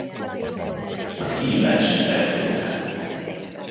A Ski Welt síterep része.